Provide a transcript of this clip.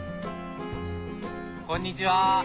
こんにちは！